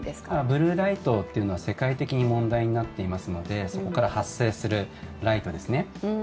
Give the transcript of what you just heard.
ブルーライトっていうのは世界的に問題になっていますのでそこから発生するライトですね。